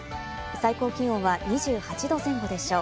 最高気温は２８度前後でしょう。